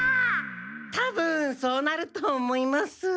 たぶんそうなると思います。